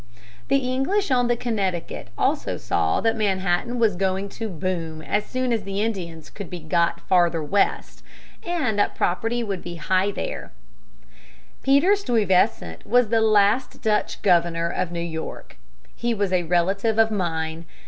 The English on the Connecticut also saw that Manhattan was going to boom as soon as the Indians could be got farther west, and that property would be high there. [Illustration: STUYVESANT'S VISION.] Peter Stuyvesant was the last Dutch governor of New York. He was a relative of mine.